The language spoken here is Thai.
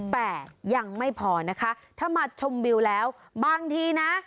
แต่ยังไม่พอนะคะถ้ามาชมวิวแล้วบางทีนะ